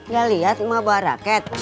ya liat mau baraket